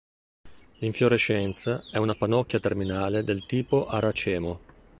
L'infiorescenza è una pannocchia terminale del tipo a racemo.